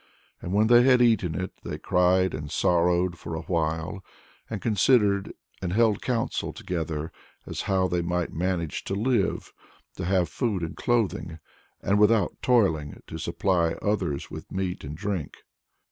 And when they had eaten it, they cried and sorrowed for a while, and considered and held counsel together as to how they might manage to live, and to have food and clothing, and, without toiling, to supply others with meat and drink.